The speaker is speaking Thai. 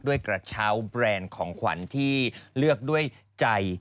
กระเช้าแบรนด์ของขวัญที่เลือกด้วยใจ